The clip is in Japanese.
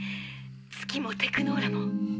月もテクノーラも。